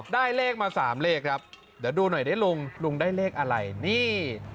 ได้เลขมาสามเลขครับเดี๋ยวดูหน่อยได้ลุงลุงได้เลขอะไรนี่